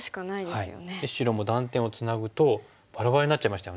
白も断点をつなぐとバラバラになっちゃいましたよね。